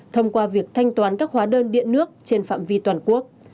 thông qua việc thanh toán các hóa đơn điện nước trên phạm vi toàn quốc